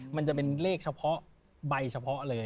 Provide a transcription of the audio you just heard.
มันจะเป็นเลขเฉพาะใบเฉพาะเลย